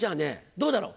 どうだろう？